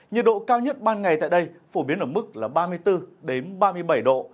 nhiệt độ cao nhất ban ngày tại đây phổ biến ở mức là ba mươi bốn ba mươi bảy độ